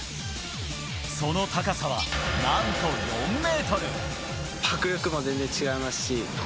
その高さは、なんと４ｍ。